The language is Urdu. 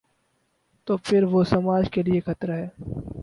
تو پھر وہ سماج کے لیے خطرہ ہے۔